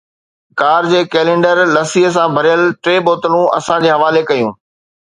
ڪار جي ڪئلينڊر لسيءَ سان ڀريل ٽي بوتلون اسان جي حوالي ڪيون